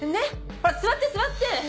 ほら座って座って。